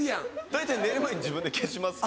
大体寝る前に自分で消します。